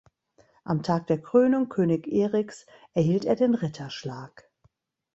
Am Tag der Krönung König Eriks erhielt er den Ritterschlag.